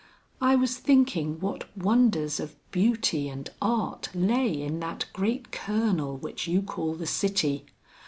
"I was thinking what wonders of beauty and art lay in that great kernel which you call the city.